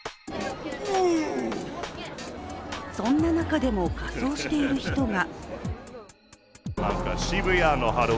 そんな中でも仮装している人が。